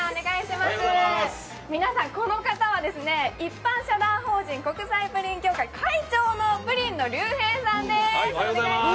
皆さん、この方は一般社団法人国際プリン協会の会長のプリンのりゅうへいさんです。